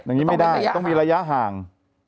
อย่างนี้ไม่ได้ต้องมีระยะห่าง